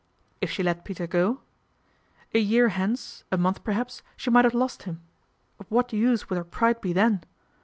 If she let Peter go ? A year hence, a month perhaps, she might have lost him. Of what use would her pride be then